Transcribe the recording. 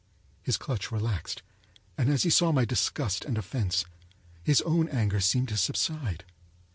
His clutch relaxed, and as he saw my disgust and offense, his own anger seemed to subside.